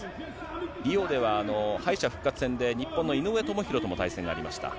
リオでは敗者復活戦で日本のいのうえともひろとも対戦がありました。